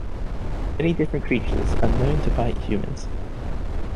Many different creatures are known to bite humans.